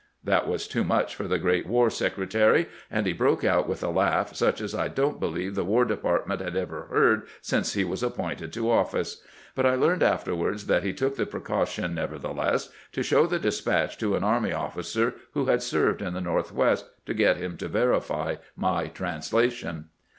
That was too much for the great War Secre tary, and he broke out with a laugh such as I don't be lieve the War Department had ever heard since he was appointed to office ; but I learned afterward that he took the precaution, nevertheless, to show the despatch to an army officer who had served in the Northwest, to get him to verify my translation."